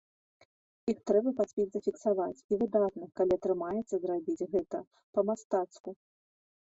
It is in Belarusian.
Іх трэба паспець зафіксаваць, і выдатна, калі атрымаецца зрабіць гэта па-мастацку.